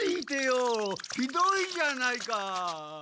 ひどいじゃないか！